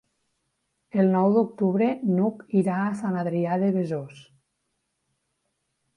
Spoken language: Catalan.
El nou d'octubre n'Hug irà a Sant Adrià de Besòs.